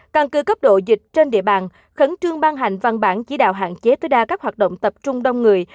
căn cứ cấp độ dịch trên địa bàn khẩn trương ban hành văn bản chỉ đạo hạn chế tối đa các hoạt động tập trung đông người